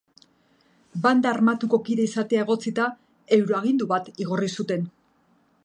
Banda armatuko kide izatea egotzita euroagindu bat igorri zuten.